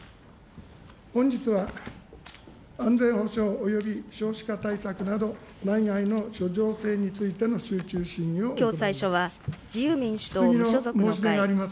本日は、安全保障および少子化対策など、内外の諸情勢についての集中審議を行います。